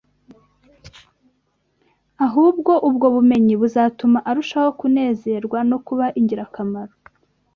ahubwo ubwo bumenyi buzatuma arushaho kunezerwa no kuba ingirakamaro